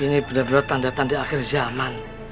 ini benar benar tanda tanda akhir zaman